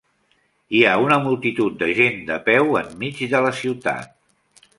Hi ha una multitud de gent de peu enmig de la ciutat.